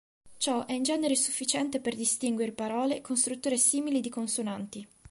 Ciò è in genere sufficiente per distinguere parole con strutture simili di consonanti.